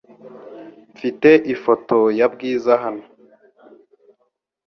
Mfite ifoto ya Bwiza hano .